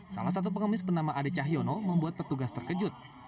salah satu pengemis bernama ade cahyono membuat petugas terkejut